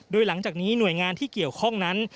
โดยหลังจากนี้หน่วยงานที่เกี่ยวข้องนั้น